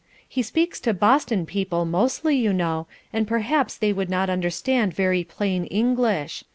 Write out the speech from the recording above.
He speaks to Boston people mostly, you know, and perhaps they would not understand very plain English.